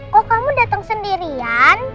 kok kamu datang sendirian